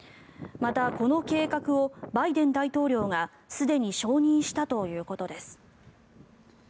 またこの計画をバイデン大統領がすでに承認したということです。